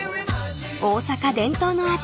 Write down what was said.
［大阪伝統の味